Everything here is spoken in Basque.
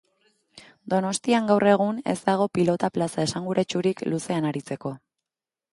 Donostian gaur egun ez dago pilota plaza esanguratsurik luzean aritzeko.